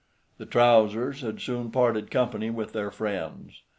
The trousers had soon parted company with their friends.